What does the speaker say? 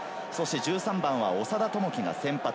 １３番は長田智希が先発。